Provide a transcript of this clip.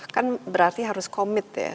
kan berarti harus komit ya